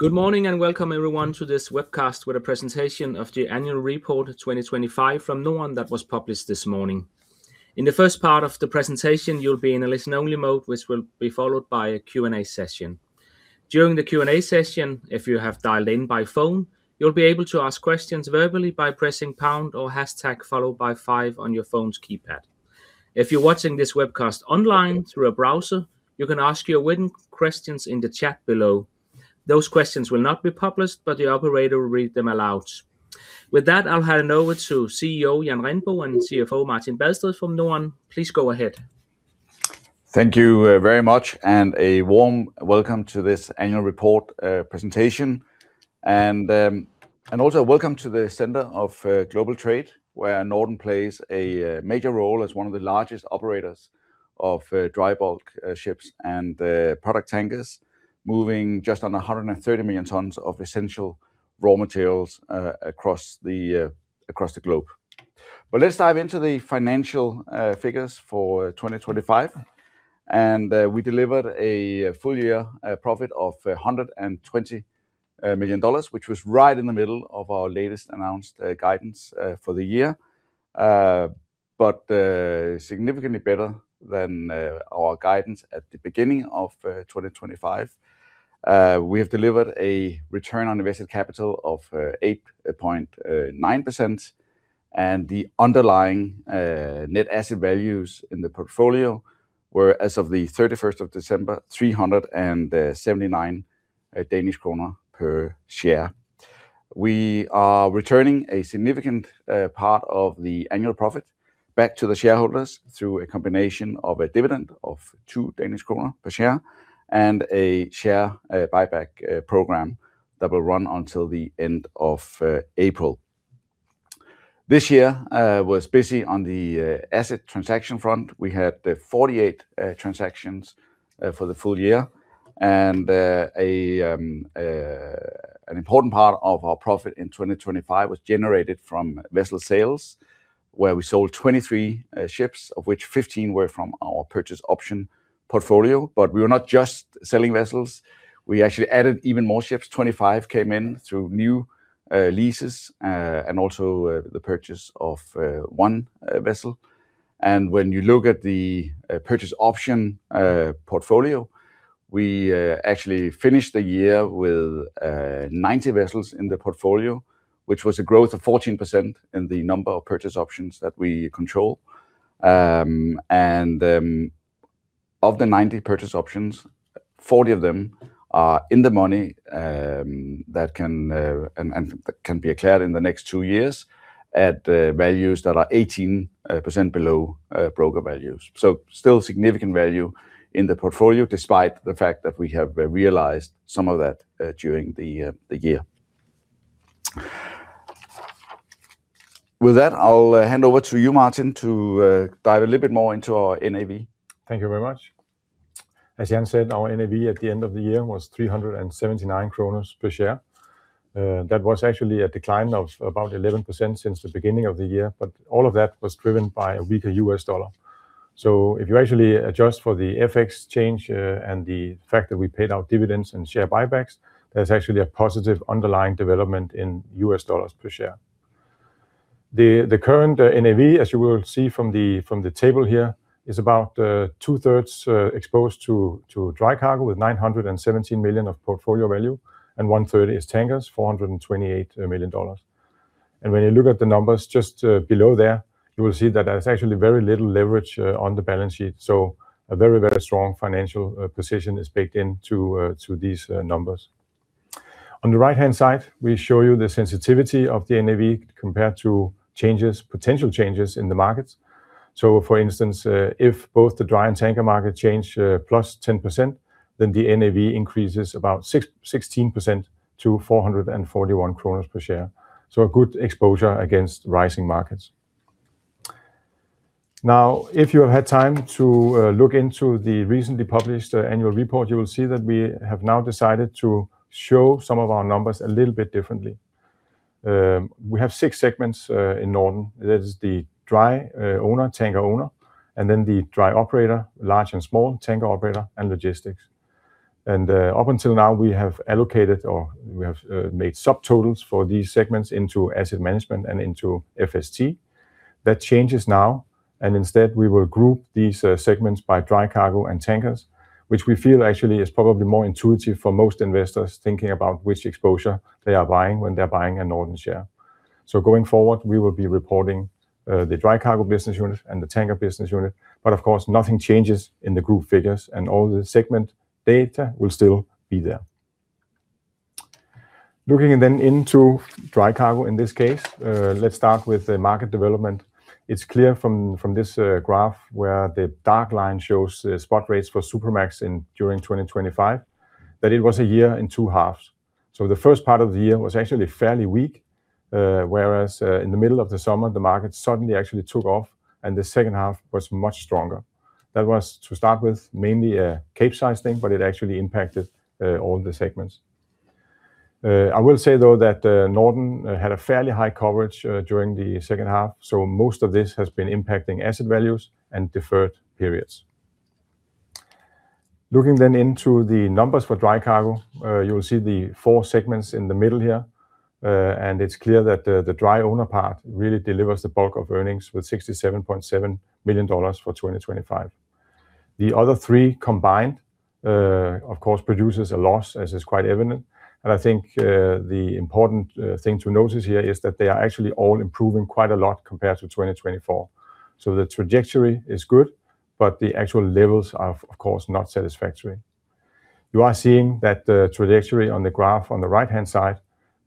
Good morning, and welcome everyone to this webcast with a presentation of the annual report 2025 from NORDEN that was published this morning. In the first part of the presentation, you'll be in a listen-only mode, which will be followed by a Q&A session. During the Q&A session, if you have dialed in by phone, you'll be able to ask questions verbally by pressing pound or hashtag, followed by five on your phone's keypad. If you're watching this webcast online through a browser, you can ask your written questions in the chat below. Those questions will not be published, but the operator will read them aloud. With that, I'll hand over to CEO Jan Rindbo and CFO Martin Badsted from NORDEN. Please go ahead. Thank you, very much, and a warm welcome to this annual report presentation. And also welcome to the center of global trade, where NORDEN plays a major role as one of the largest operators of dry bulk ships and product tankers, moving just under 130 million tons of essential raw materials across the globe. But let's dive into the financial figures for 2025. And we delivered a full-year profit of $120 million, which was right in the middle of our latest announced guidance for the year. But significantly better than our guidance at the beginning of 2025. We have delivered a return on invested capital of 8.9%, and the underlying net asset values in the portfolio were, as of the 31st of December, 379 Danish kroner per share. We are returning a significant part of the annual profit back to the shareholders through a combination of a dividend of 2 Danish kroner per share and a share buyback program that will run until the end of April. This year was busy on the asset transaction front. We had 48 transactions for the full year, and an important part of our profit in 2025 was generated from vessel sales, where we sold 23 ships, of which 15 were from our purchase option portfolio. But we were not just selling vessels, we actually added even more ships. 25 came in through new leases, and also the purchase of one vessel. And when you look at the purchase option portfolio, we actually finished the year with 90 vessels in the portfolio, which was a growth of 14% in the number of purchase options that we control. And of the 90 purchase options, 40 of them are in the money, that can be cleared in the next two years at values that are 18% below broker values. So still significant value in the portfolio, despite the fact that we have realized some of that during the year. With that, I'll hand over to you, Martin, to dive a little bit more into our NAV. Thank you very much. As Jan said, our NAV at the end of the year was 379 kroner per share. That was actually a decline of about 11% since the beginning of the year, but all of that was driven by a weaker U.S. dollar. So if you actually adjust for the FX change, and the fact that we paid out dividends and share buybacks, there's actually a positive underlying development in U.S. dollars per share. The current NAV, as you will see from the table here, is about 2/3 exposed to Dry Cargo, with 917 million of portfolio value, and 1/3 is Tankers, $428 million. When you look at the numbers just below there, you will see that there's actually very little leverage on the balance sheet. So a very, very strong financial position is baked into these numbers. On the right-hand side, we show you the sensitivity of the NAV compared to changes, potential changes in the markets. So for instance, if both the dry and tanker market change +10%, then the NAV increases about 16% to 441 kroner per share. So a good exposure against rising markets. Now, if you have had time to look into the recently published annual report, you will see that we have now decided to show some of our numbers a little bit differently. We have six segments in NORDEN. That is the Dry Owner, Tanker Owner, and then the Dry Operator, large and small, Tanker Operator, and Logistics. And up until now, we have allocated, or we have made subtotals for these segments into asset management and into FST. That changes now, and instead, we will group these segments by Dry Cargo and Tankers, which we feel actually is probably more intuitive for most investors thinking about which exposure they are buying when they're buying a NORDEN share. So going forward, we will be reporting the Dry Cargo business unit and the Tanker business unit, but of course, nothing changes in the group figures, and all the segment data will still be there. Looking then into Dry Cargo, in this case, let's start with the market development. It's clear from this graph, where the dark line shows the spot rates for Supramax during 2025, that it was a year in two halves. So the first part of the year was actually fairly weak, whereas in the middle of the summer, the market suddenly actually took off, and the second half was much stronger. That was to start with mainly a Capesize thing, but it actually impacted all the segments. I will say, though, that NORDEN had a fairly high coverage during the second half, so most of this has been impacting asset values and deferred periods. Looking then into the numbers for Dry Cargo, you will see the four segments in the middle here. And it's clear that the Dry Owner part really delivers the bulk of earnings, with $67.7 million for 2025. The other three combined, of course, produces a loss, as is quite evident, and I think the important thing to notice here is that they are actually all improving quite a lot compared to 2024. So the trajectory is good, but the actual levels are, of course, not satisfactory. You are seeing that the trajectory on the graph on the right-hand side,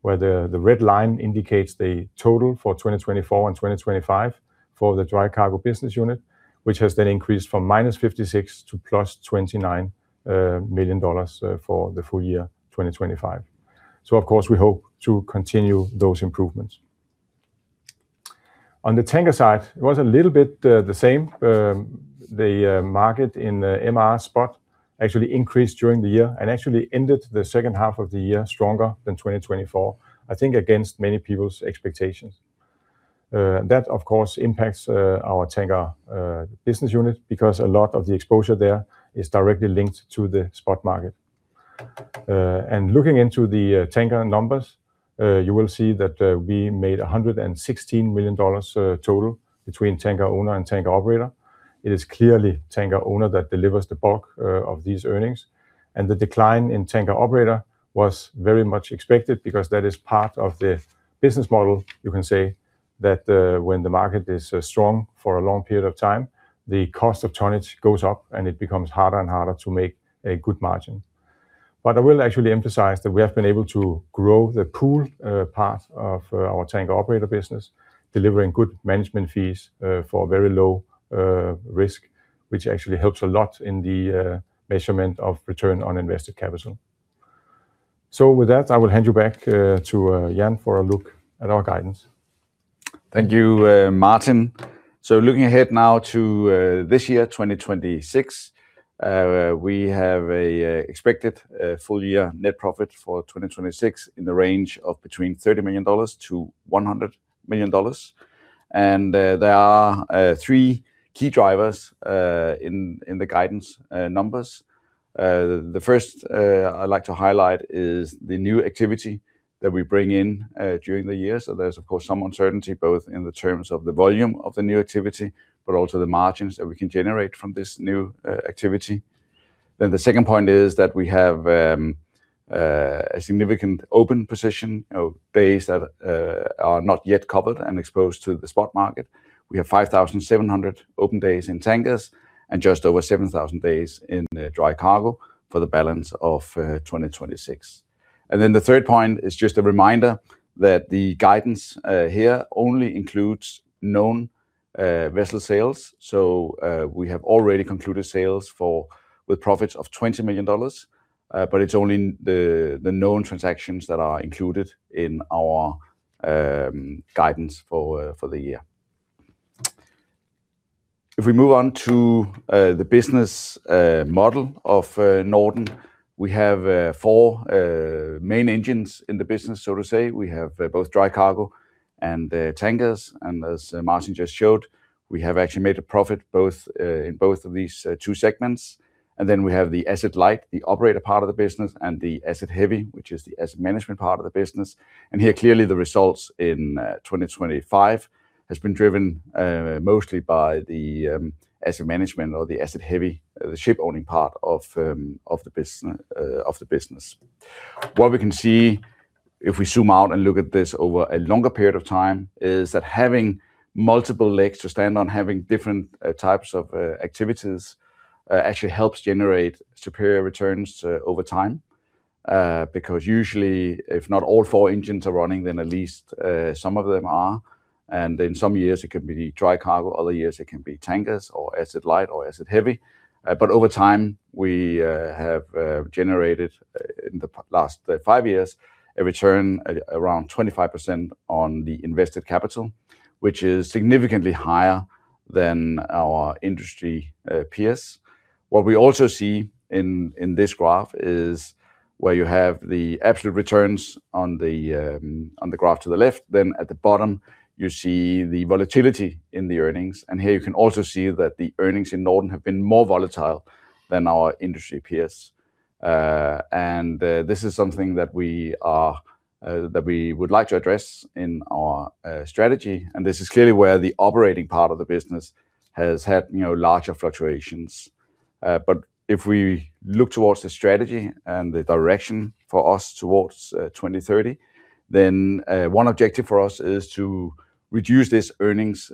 where the red line indicates the total for 2024 and 2025 for the Dry Cargo business unit, which has then increased from -$56 million to +$29 million for the full year 2025. So of course, we hope to continue those improvements. On the Tanker side, it was a little bit the same. The market in the MR spot actually increased during the year, and actually ended the second half of the year stronger than 2024, I think against many people's expectations. That of course impacts our Tanker business unit, because a lot of the exposure there is directly linked to the spot market. And looking into the Tanker numbers, you will see that we made $116 million total between Tanker Owner and Tanker Operator. It is clearly Tanker Owner that delivers the bulk of these earnings, and the decline in Tanker Operator was very much expected, because that is part of the business model. You can say that, when the market is strong for a long period of time, the cost of tonnage goes up, and it becomes harder and harder to make a good margin. But I will actually emphasize that we have been able to grow the pool part of our Tanker Operator business, delivering good management fees for very low risk, which actually helps a lot in the measurement of return on invested capital. So with that, I will hand you back to Jan for a look at our guidance. Thank you, Martin. So looking ahead now to this year, 2026, we have a expected full-year net profit for 2026 in the range of between $30 million-$100 million. There are three key drivers in the guidance numbers. The first I'd like to highlight is the new activity that we bring in during the year. So there's, of course, some uncertainty, both in the terms of the volume of the new activity, but also the margins that we can generate from this new activity. The second point is that we have a significant open position, you know, days that are not yet covered and exposed to the spot market. We have 5,700 open days in Tankers, and just over 7,000 days in the Dry Cargo for the balance of 2026. And then the third point is just a reminder that the guidance here only includes known vessel sales. So, we have already concluded sales with profits of $20 million, but it's only the known transactions that are included in our guidance for the year. If we move on to the business model of NORDEN, we have four main engines in the business, so to say. We have both Dry Cargo and the Tankers, and as Martin just showed, we have actually made a profit, both in both of these two segments. And then we have the asset-light, the operator part of the business, and the asset-heavy, which is the asset management part of the business. And here, clearly, the results in 2025 has been driven mostly by the asset management or the asset heavy, the ship owning part of the business. What we can see, if we zoom out and look at this over a longer period of time, is that having multiple legs to stand on, having different types of activities actually helps generate superior returns over time. Because usually, if not all four engines are running, then at least some of them are. And in some years it can be Dry Cargo, other years it can be Tankers or asset-light or asset-heavy. But over time, we have generated in the past five years a return around 25% on the invested capital, which is significantly higher than our industry peers. What we also see in this graph is where you have the absolute returns on the graph to the left, then at the bottom, you see the volatility in the earnings. And here you can also see that the earnings in NORDEN have been more volatile than our industry peers. This is something that we would like to address in our strategy, and this is clearly where the operating part of the business has had, you know, larger fluctuations. But if we look towards the strategy and the direction for us towards 2030, then one objective for us is to reduce this earnings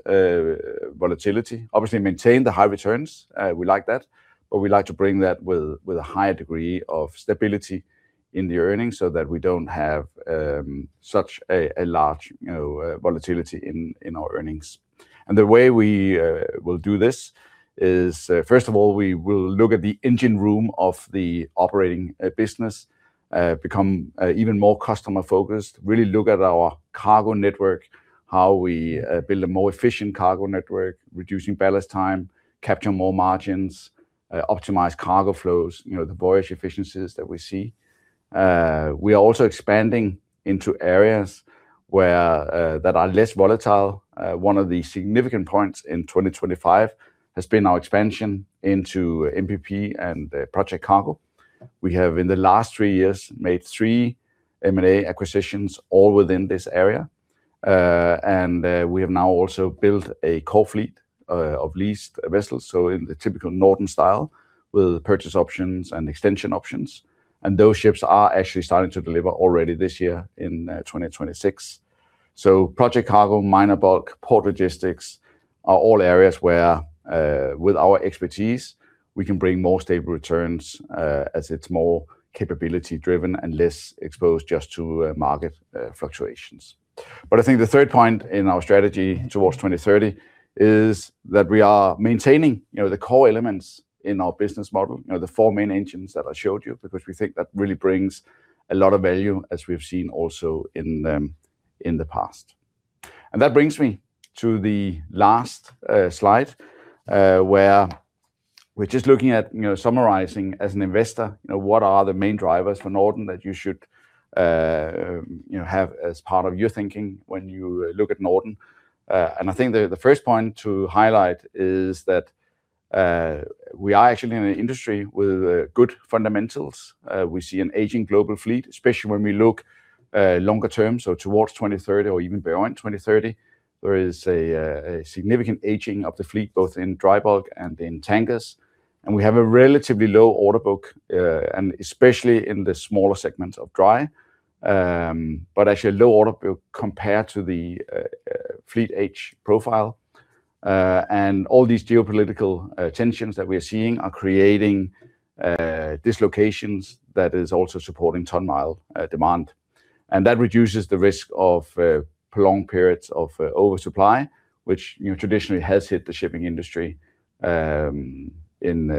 volatility. Obviously, maintain the high returns, we like that, but we like to bring that with a higher degree of stability in the earnings, so that we don't have such a large, you know, volatility in our earnings. And the way we will do this is, first of all, we will look at the engine room of the operating business, become even more customer-focused, really look at our cargo network, how we build a more efficient cargo network, reducing ballast time, capture more margins, optimize cargo flows, you know, the voyage efficiencies that we see. We are also expanding into areas where that are less volatile. One of the significant points in 2025 has been our expansion into MPP and project cargo. We have, in the last three years, made three M&A acquisitions, all within this area. And we have now also built a core fleet of leased vessels, so in the typical NORDEN style, with purchase options and extension options. And those ships are actually starting to deliver already this year in 2026. So project cargo, minor bulk, port logistics are all areas where, with our expertise, we can bring more stable returns, as it's more capability driven and less exposed just to market fluctuations. But I think the third point in our strategy towards 2030 is that we are maintaining, you know, the core elements in our business model. You know, the four main engines that I showed you, because we think that really brings a lot of value, as we've seen also in the past. And that brings me to the last slide, where we're just looking at, you know, summarizing as an investor, you know, what are the main drivers for NORDEN that you should, you know, have as part of your thinking when you look at NORDEN? And I think the first point to highlight is that we are actually in an industry with good fundamentals. We see an aging global fleet, especially when we look longer term, so towards 2030 or even beyond 2030. There is a significant aging of the fleet, both in dry bulk and in tankers. We have a relatively low order book, and especially in the smaller segments of Dry. But actually a low order book compared to the fleet age profile. And all these geopolitical tensions that we are seeing are creating dislocations that is also supporting ton-mile demand. And that reduces the risk of prolonged periods of oversupply, which, you know, traditionally has hit the shipping industry in,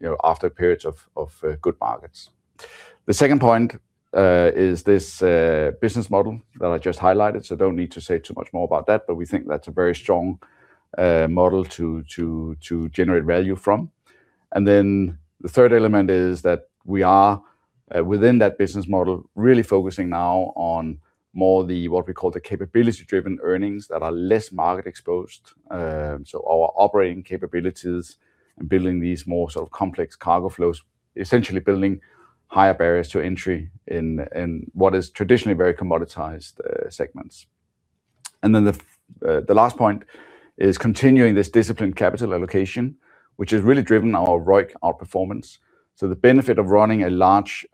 you know, after periods of good markets. The second point is this business model that I just highlighted, so don't need to say too much more about that, but we think that's a very strong model to generate value from. And then the third element is that we are within that business model, really focusing now on more the what we call the capability-driven earnings that are less market exposed. So our operating capabilities and building these more sort of complex cargo flows, essentially building higher barriers to entry in what is traditionally very commoditized segments. And then the last point is continuing this disciplined capital allocation, which has really driven our ROIC, our performance. So the benefit of running a large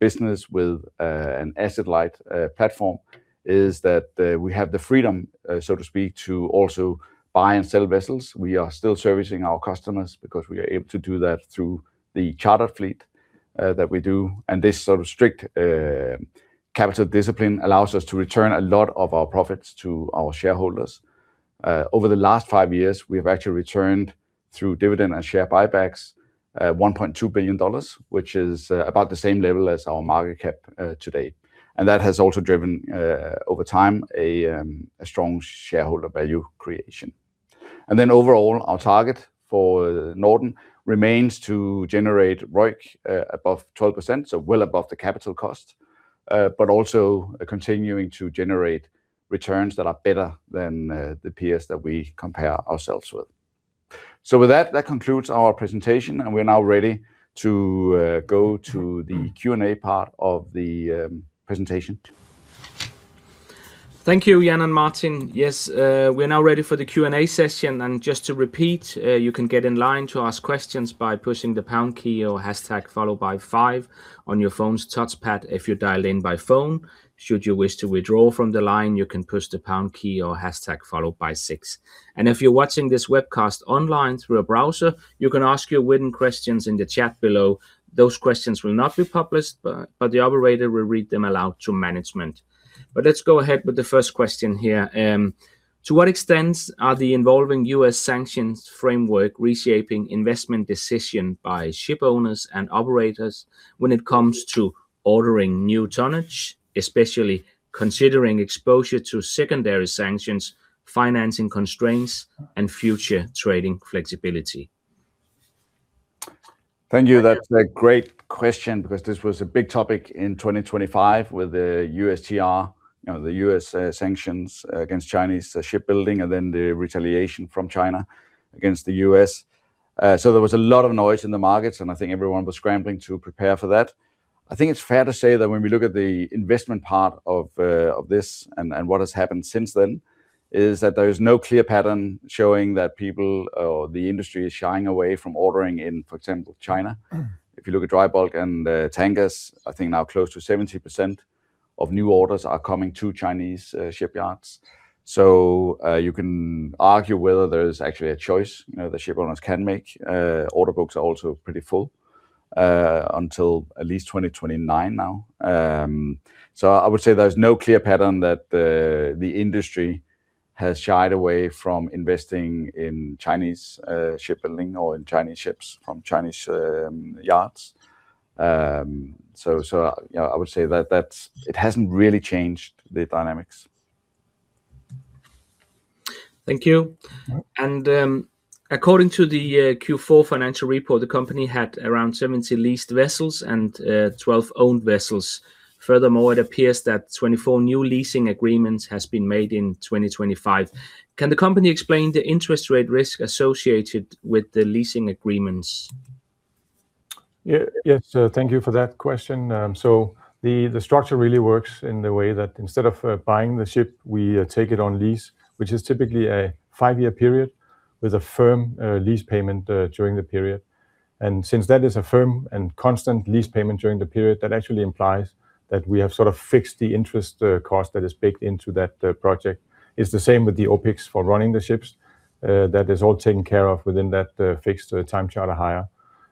business with an asset-light platform is that we have the freedom so to speak to also buy and sell vessels. We are still servicing our customers because we are able to do that through the charter fleet that we do. This sort of strict capital discipline allows us to return a lot of our profits to our shareholders. Over the last five years, we have actually returned, through dividend and share buybacks, $1.2 billion, which is about the same level as our market cap today. And that has also driven, over time, a strong shareholder value creation. And then overall, our target for NORDEN remains to generate ROIC above 12%, so well above the capital cost, but also continuing to generate returns that are better than the peers that we compare ourselves with. So with that, that concludes our presentation, and we're now ready to go to the Q&A part of the presentation. Thank you, Jan and Martin. Yes, we're now ready for the Q&A session. And just to repeat, you can get in line to ask questions by pushing the pound key or hashtag followed by five on your phone's touch pad if you're dialed in by phone. Should you wish to withdraw from the line, you can push the pound key or hashtag followed by six. And if you're watching this webcast online through a browser, you can ask your written questions in the chat below. Those questions will not be published, but the operator will read them aloud to management. But let's go ahead with the first question here. To what extent are the evolving U.S. sanctions framework reshaping investment decision by ship owners and operators when it comes to ordering new tonnage, especially considering exposure to secondary sanctions, financing constraints, and future trading flexibility? Thank you. That's a great question, because this was a big topic in 2025 with the USTR, you know, the U.S., sanctions against Chinese shipbuilding, and then the retaliation from China against the U.S. So there was a lot of noise in the markets, and I think everyone was scrambling to prepare for that. I think it's fair to say that when we look at the investment part of, of this, and, and what has happened since then, is that there is no clear pattern showing that people or the industry is shying away from ordering in, for example, China. If you look at dry bulk and, tankers, I think now close to 70% of new orders are coming to Chinese, shipyards. So, you can argue whether there's actually a choice, you know, the ship owners can make. Order books are also pretty full, until at least 2029 now. So I would say there's no clear pattern that the industry has shied away from investing in Chinese shipbuilding or in Chinese ships from Chinese yards. You know, I would say that it hasn't really changed the dynamics. Thank you. According to the Q4 financial report, the company had around 70 leased vessels and 12 owned vessels. Furthermore, it appears that 24 new leasing agreements has been made in 2025. Can the company explain the interest rate risk associated with the leasing agreements? Yeah. Yes, thank you for that question. So the structure really works in the way that instead of buying the ship, we take it on lease, which is typically a five-year period with a firm lease payment during the period. And since that is a firm and constant lease payment during the period, that actually implies that we have sort of fixed the interest cost that is baked into that project. It's the same with the OpEx for running the ships. That is all taken care of within that fixed time charter hire.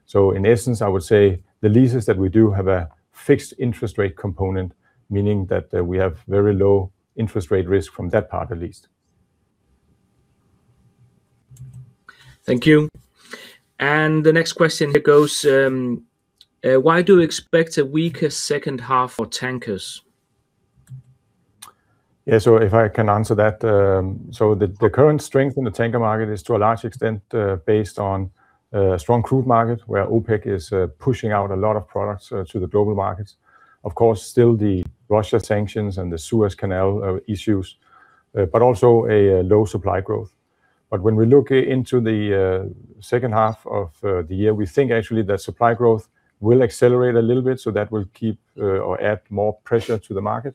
So in essence, I would say the leases that we do have a fixed interest rate component, meaning that we have very low interest rate risk from that part at least. Thank you. And the next question here goes, why do you expect a weaker second half for Tankers? Yeah, so if I can answer that, so the current strength in the tanker market is, to a large extent, based on strong crude market, where OPEC is pushing out a lot of products to the global markets. Of course, still the Russia sanctions and the Suez Canal issues, but also a low supply growth. But when we look into the second half of the year, we think actually that supply growth will accelerate a little bit, so that will keep or add more pressure to the market.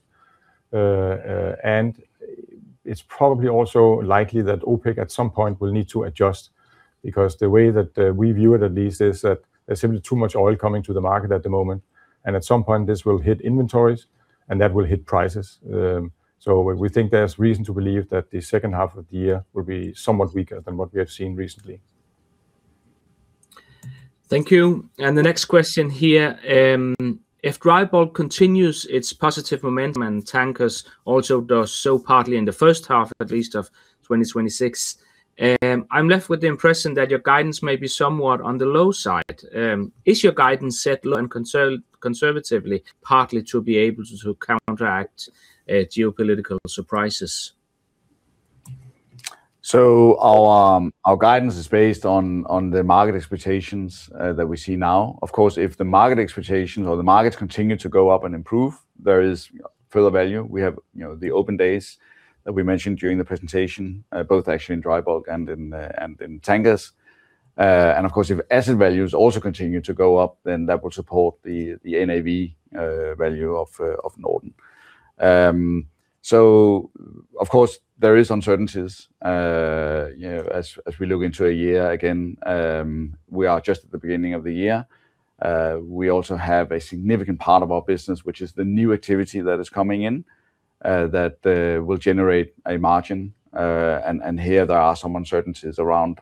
It's probably also likely that OPEC, at some point, will need to adjust, because the way that we view it at least, is that there's simply too much oil coming to the market at the moment, and at some point this will hit inventories, and that will hit prices. We think there's reason to believe that the second half of the year will be somewhat weaker than what we have seen recently. Thank you. And the next question here: if dry bulk continues its positive momentum, and tankers also does so partly in the first half, at least, of 2026, I'm left with the impression that your guidance may be somewhat on the low side. Is your guidance set low and conservatively, partly to be able to counteract geopolitical surprises? So our guidance is based on the market expectations that we see now. Of course, if the market expectations or the markets continue to go up and improve, there is further value. We have, you know, the open days that we mentioned during the presentation, both actually in dry bulk and in tankers. Of course, if asset values also continue to go up, then that will support the NAV value of NORDEN. So of course, there is uncertainties, you know, as we look into a year again, we are just at the beginning of the year. We also have a significant part of our business, which is the new activity that is coming in, that will generate a margin. And here there are some uncertainties around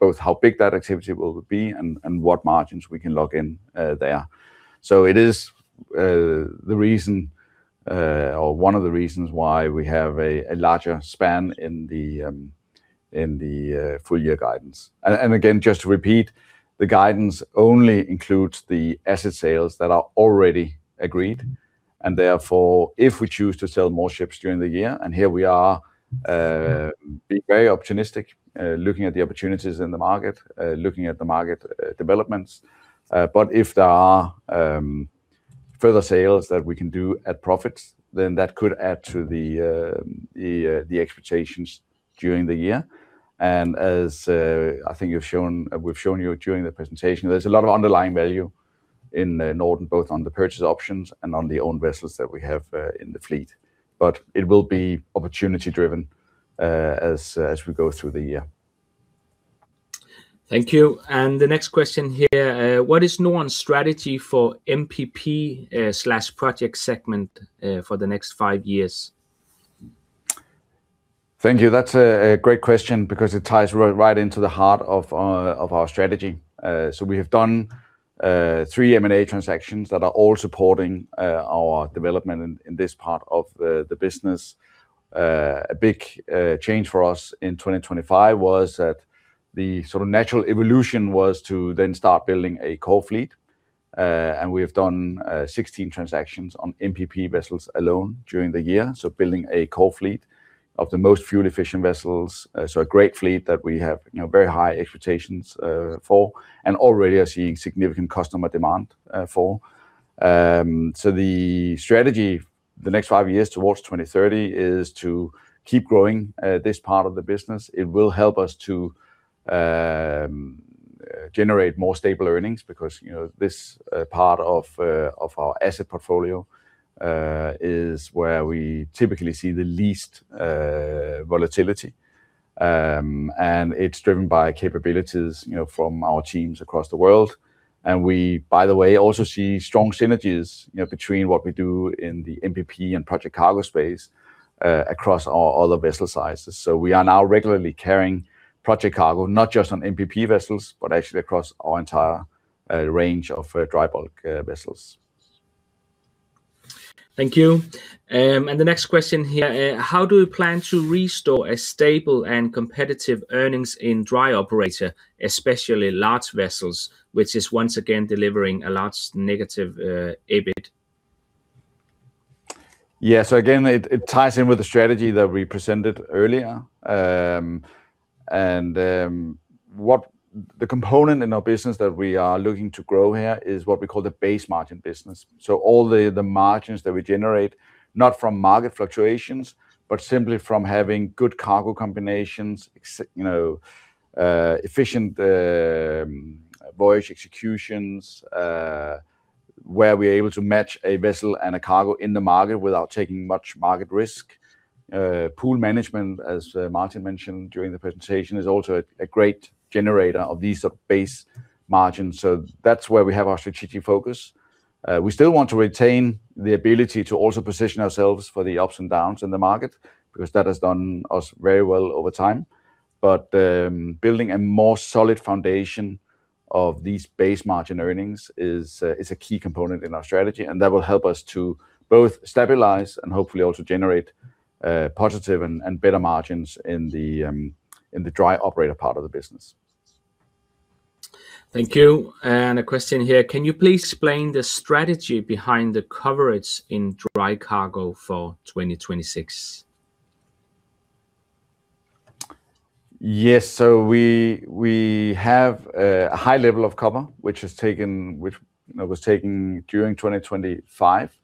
both how big that activity will be and what margins we can lock in there. So it is the reason or one of the reasons why we have a larger span in the full-year guidance. And again, just to repeat, the guidance only includes the asset sales that are already agreed, and therefore, if we choose to sell more ships during the year, and here we are being very opportunistic, looking at the opportunities in the market, looking at the market developments. But if there are further sales that we can do at profit, then that could add to the expectations during the year. And as I think we've shown you during the presentation, there's a lot of underlying value in NORDEN, both on the purchase options and on the owned vessels that we have in the fleet. But it will be opportunity-driven as we go through the year. Thank you. And the next question here: what is NORDEN's strategy for MPP/project segment, for the next five years? Thank you. That's a great question because it ties right into the heart of our strategy. So we have done three M&A transactions that are all supporting our development in this part of the business. A big change for us in 2025 was that the sort of natural evolution was to then start building a core fleet. And we have done 16 transactions on MPP vessels alone during the year. So building a core fleet of the most fuel-efficient vessels, so a great fleet that we have, you know, very high expectations for, and already are seeing significant customer demand for. So the strategy the next five years towards 2030 is to keep growing this part of the business. It will help us to generate more stable earnings because, you know, this part of our asset portfolio is where we typically see the least volatility. It's driven by capabilities, you know, from our teams across the world. We, by the way, also see strong synergies, you know, between what we do in the MPP and project cargo space across all the vessel sizes. We are now regularly carrying project cargo, not just on MPP vessels, but actually across our entire range of dry bulk vessels. Thank you. The next question here: how do you plan to restore a stable and competitive earnings in Dry Operator, especially large vessels, which is once again delivering a large negative, EBIT? Yeah, so again, it ties in with the strategy that we presented earlier. The component in our business that we are looking to grow here is what we call the base margin business. So all the margins that we generate, not from market fluctuations, but simply from having good cargo combinations, e.g., you know, efficient voyage executions, where we're able to match a vessel and a cargo in the market without taking much market risk. Pool management, as Martin mentioned during the presentation, is also a great generator of these base margins. So that's where we have our strategic focus. We still want to retain the ability to also position ourselves for the ups and downs in the market, because that has done us very well over time. But, building a more solid foundation of these base margin earnings is a key component in our strategy, and that will help us to both stabilize and hopefully also generate positive and better margins in the Dry Operator part of the business. Thank you. A question here: "Can you please explain the strategy behind the coverage in Dry Cargo for 2026? Yes. So we have a high level of cover, which was taken, which, you know, was taken during 2025.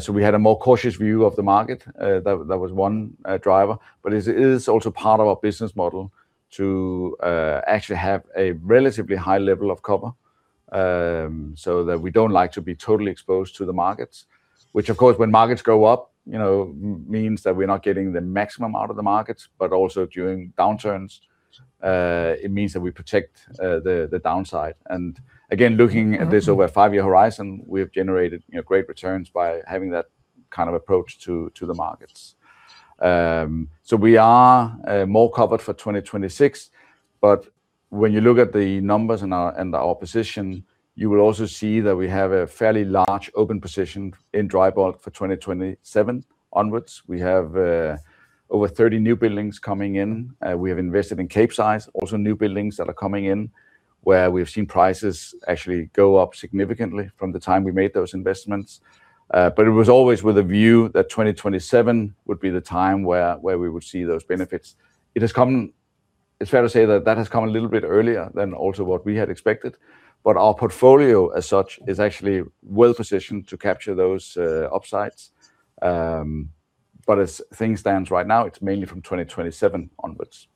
So we had a more cautious view of the market. That was one driver. But it is also part of our business model to actually have a relatively high level of cover, so that we don't like to be totally exposed to the markets. Which, of course, when markets go up, you know, means that we're not getting the maximum out of the markets, but also during downturns, it means that we protect the downside. And again, looking at this over a five-year horizon, we have generated, you know, great returns by having that kind of approach to the markets. So we are more covered for 2026, but when you look at the numbers and our, and our position, you will also see that we have a fairly large open position in dry bulk for 2027 onwards. We have over 30 new buildings coming in. We have invested in Capesize, also new buildings that are coming in, where we've seen prices actually go up significantly from the time we made those investments. But it was always with a view that 2027 would be the time where, where we would see those benefits. It has come. It's fair to say that that has come a little bit earlier than also what we had expected, but our portfolio, as such, is actually well positioned to capture those upsides. But as things stand right now, it's mainly from 2027 onwards.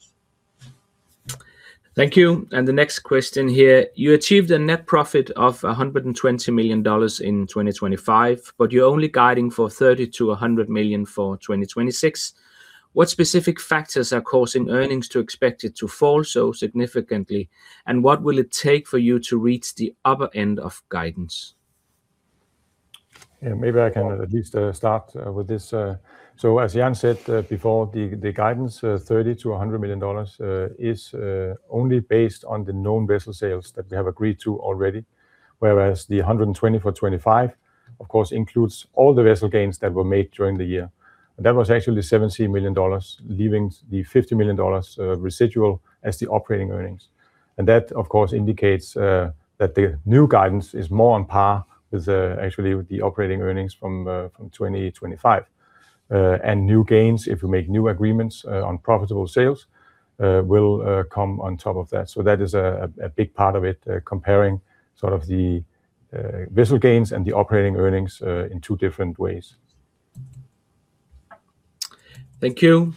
Thank you. The next question here: "You achieved a net profit of $120 million in 2025, but you're only guiding for $30 million-$100 million for 2026. What specific factors are causing earnings to expect it to fall so significantly, and what will it take for you to reach the upper end of guidance? Yeah, maybe I can at least start with this. So as Jan said before, the guidance $30 million-$100 million is only based on the known vessel sales that we have agreed to already, whereas the $120 million for 2025, of course, includes all the vessel gains that were made during the year. That was actually $17 million, leaving the $50 million residual as the operating earnings. And that, of course, indicates that the new guidance is more on par with actually with the operating earnings from 2025. And new gains, if we make new agreements on profitable sales, will come on top of that. So that is a big part of it, comparing sort of the vessel gains and the operating earnings in two different ways. Thank you.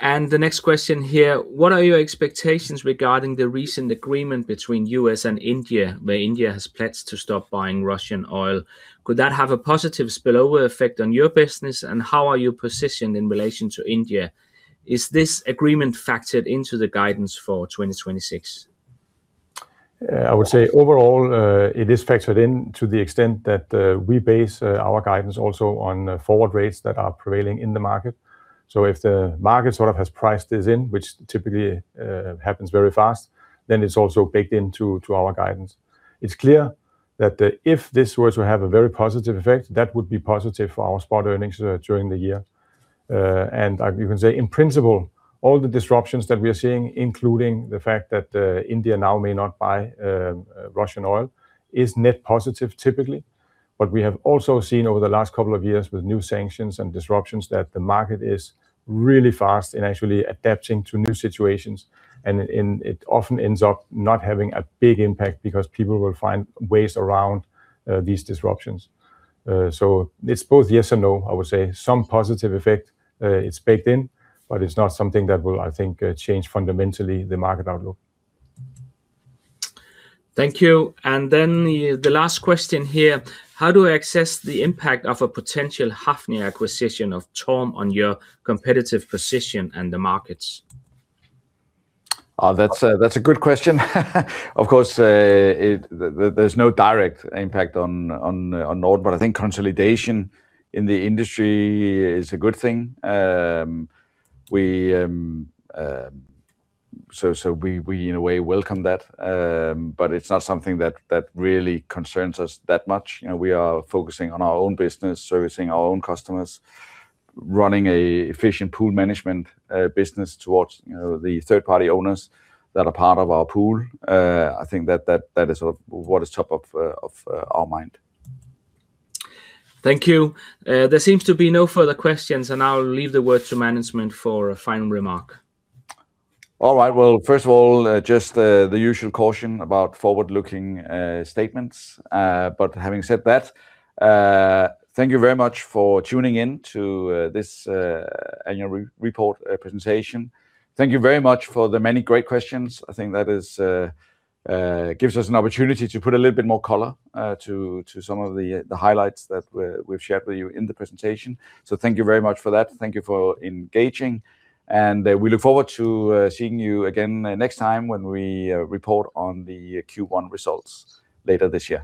And the next question here: "What are your expectations regarding the recent agreement between U.S. and India, where India has pledged to stop buying Russian oil? Could that have a positive spillover effect on your business, and how are you positioned in relation to India? Is this agreement factored into the guidance for 2026? I would say overall, it is factored in to the extent that we base our guidance also on forward rates that are prevailing in the market. So if the market sort of has priced this in, which typically happens very fast, then it's also baked into, to our guidance. It's clear that if this were to have a very positive effect, that would be positive for our spot earnings during the year. And you can say, in principle, all the disruptions that we are seeing, including the fact that India now may not buy Russian oil, is net positive, typically. But we have also seen over the last couple of years with new sanctions and disruptions, that the market is really fast in actually adapting to new situations, and it often ends up not having a big impact because people will find ways around these disruptions. So it's both yes or no, I would say. Some positive effect is baked in, but it's not something that will, I think, change fundamentally the market outlook. Thank you. And then the last question here: "How do I assess the impact of a potential Hafnia acquisition of TORM on your competitive position in the markets? That's a good question. Of course, there's no direct impact on NORDEN, but I think consolidation in the industry is a good thing. So we in a way welcome that, but it's not something that really concerns us that much. You know, we are focusing on our own business, servicing our own customers, running a efficient pool management business towards, you know, the third-party owners that are part of our pool. I think that is sort of what is top of our mind. Thank you. There seems to be no further questions, and I'll leave the word to management for a final remark. All right. Well, first of all, just the usual caution about forward-looking statements. But having said that, thank you very much for tuning in to this annual report presentation. Thank you very much for the many great questions. I think that gives us an opportunity to put a little bit more color to some of the highlights that we've shared with you in the presentation. So thank you very much for that. Thank you for engaging, and we look forward to seeing you again next time when we report on the Q1 results later this year.